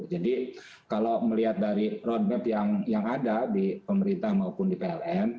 jadi kalau melihat dari roadmap yang ada di pemerintah maupun di pln